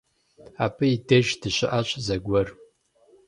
Абы и деж дыщыӏащ зэгуэр.